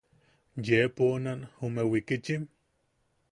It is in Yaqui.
¿Yee poonan jume wikichim?